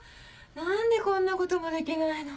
何でこんなこともできないの？